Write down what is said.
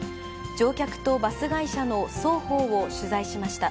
乗客とバス会社の双方を取材しました。